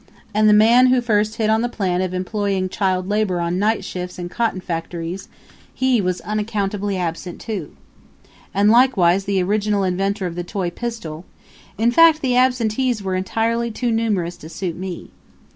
And the man who first hit on the plan of employing child labor on night shifts in cotton factories he was unaccountably absent too. And likewise the original inventor of the toy pistol; in fact the absentees were entirely too numerous to suit me.